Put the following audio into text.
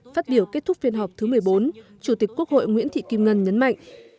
phát biểu kết thúc phiên họp thứ một mươi bốn chủ tịch quốc hội nguyễn thị kim ngân nhấn mạnh